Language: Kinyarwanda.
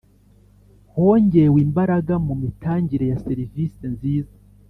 Hongewe imbaraga mu mitangire ya serivisi nziza